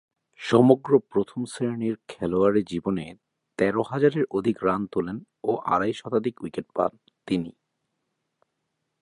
সমগ্র প্রথম-শ্রেণীর খেলোয়াড়ী জীবনে তেরো হাজারের অধিক রান তুলেন ও আড়াই শতাধিক উইকেট পান তিনি।